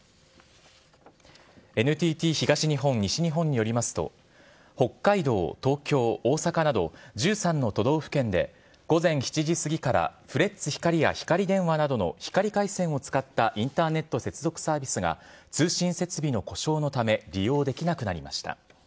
ＮＴＴ東日本、西日本によりますと、北海道、東京、大阪など１３の都道府県で、午前７時過ぎからフレッツ光やひかり電話などの光回線を使ったインターネット接続サービスが通信設備の故障のため、利用できなくなりました。